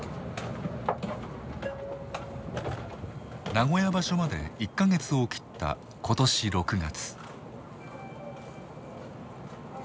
名古屋場所まで１か月を切った今年６月。